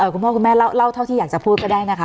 คุณพ่อคุณแม่เล่าเท่าที่อยากจะพูดก็ได้นะคะ